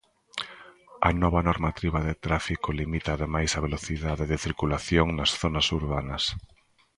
A nova normativa de Tráfico limita ademais a velocidade de circulación nas zonas urbanas.